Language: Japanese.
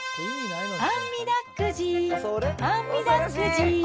あみだくじ、あみだくじ。